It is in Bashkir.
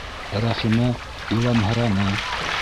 — Рәхимә иламһыраны.